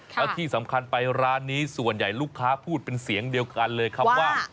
แล้วที่สำคัญไปร้านนี้ส่วนใหญ่ลูกค้าพูดเป็นเสียงเดียวกันเลยครับว่า